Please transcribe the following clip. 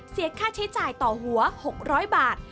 เสียค่าใช้จ่ายต่อหัว๖๐๐บาท